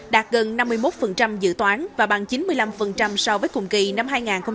đạt gần năm mươi một dự toán và bằng chín mươi năm so với cùng kỳ năm hai nghìn một mươi chín